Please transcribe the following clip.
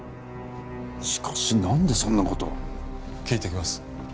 しかし何でそんなことを聞いてきます